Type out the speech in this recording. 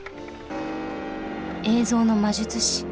「映像の魔術師」。